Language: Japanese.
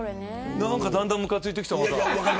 なんか、だんだんむかついてきた。